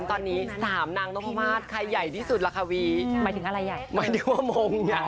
โอ้โฮ